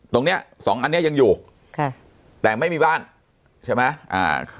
ตรงเนี้ยสองอันเนี้ยยังอยู่ค่ะแต่ไม่มีบ้านใช่ไหมอ่า